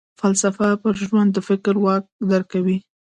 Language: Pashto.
فلسفه پر ژوند د فکر واک درکوي.